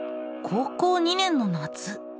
高校２年の夏。